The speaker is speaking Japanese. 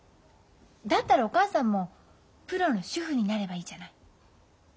だったらお母さんもプロの主婦になればいいじゃない。